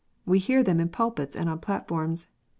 We hear them in pulpits and on platforms.